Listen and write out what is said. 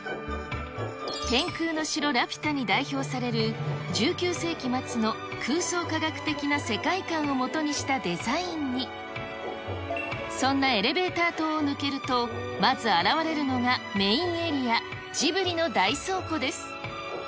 天空の城ラピュタに代表される、１９世紀末の空想科学的な世界観をもとにしたデザインに、そんなエレベーター塔を抜けるとまず現れるのがメインエリア、ジブリの大倉庫です。